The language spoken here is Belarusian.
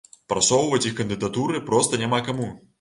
Прасоўваць іх кандыдатуры проста няма каму.